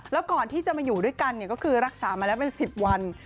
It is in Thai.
แล้วก่อนที่จะมาอยู่ด้วยกันก็คือรักษามาแล้วเป็น๑๐วัน